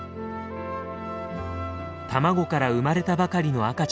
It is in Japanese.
卵から生まれたばかりの赤ちゃんです。